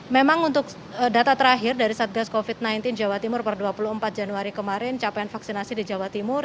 memang untuk data terakhir dari satgas covid sembilan belas jawa timur per dua puluh empat januari kemarin capaian vaksinasi di jawa timur